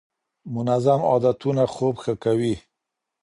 منظم عادتونه خوب ښه کوي.